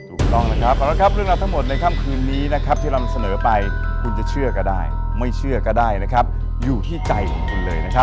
ถูกต้องนะครับเอาละครับเรื่องราวทั้งหมดในค่ำคืนนี้นะครับที่เรานำเสนอไปคุณจะเชื่อก็ได้ไม่เชื่อก็ได้นะครับอยู่ที่ใจของคุณเลยนะครับ